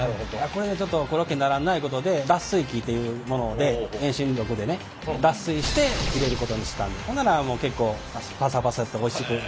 これじゃあちょっとコロッケにならんないうことで脱水機ていうもので遠心力でね脱水して入れることにしたほんならもう結構パサパサしておいしく。